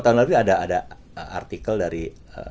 tahun lalu ada artikel dari